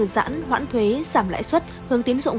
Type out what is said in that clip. giãn hoãn thuế giảm lãi xuất hướng tiến dụng